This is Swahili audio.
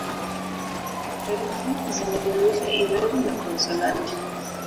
Herufi zinajumuisha irabu na konsonanti